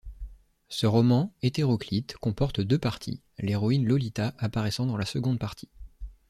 Ce roman, hétéroclite, comporte deux parties, l’héroïne Lolita apparaissant dans la seconde partie.